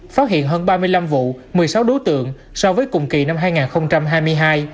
phát hiện hơn ba mươi năm vụ một mươi sáu đối tượng so với cùng kỳ năm hai nghìn hai mươi hai